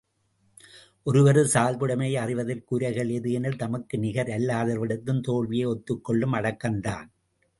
ஒருவரது சால்புடைமையை அறிவதற்கு உரைகல் எது எனில், தமக்கு நிகர் அல்லாதவரிடத்தும் தோல்வியை ஒத்துக்கொள்ளும் அடக்கம்தான்.